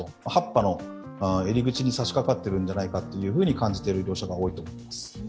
８波の入り口に差しかかっているんじゃないかという見方が多いと思います。